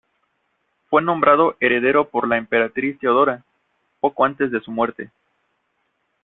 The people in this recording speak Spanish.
Fue nombrado heredero por la emperatriz Teodora, poco antes de su muerte.